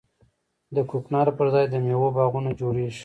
د کوکنارو پر ځای د میوو باغونه جوړیږي.